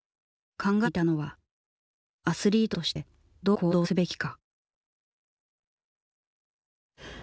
考えていたのはアスリートとしてどう行動すべきか。